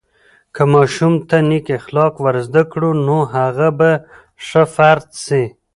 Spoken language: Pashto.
که ماشوم ته نیک اخلاق ورزده کړو، نو هغه به ښه فرد سي.